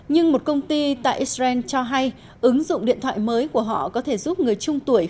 nhưng một công ty tại israel cho hay ứng dụng điện thoại mới của họ có thể giúp người trung tuổi